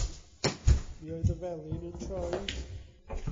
Mi oedd y felin yn troi.